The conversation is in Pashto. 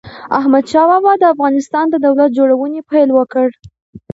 احمد شاه بابا د افغانستان د دولت جوړونې پيل وکړ.